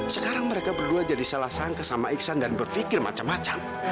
sekarang mereka berdua jadi salah sangka sama iksan dan berpikir macam macam